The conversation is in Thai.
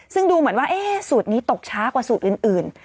ซึ่งดูเหมือนว่าสูตรนี้ตกช้ากว่าสูตรอื่น